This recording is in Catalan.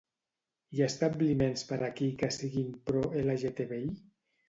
Hi ha establiments per aquí que siguin pro-LGTBI?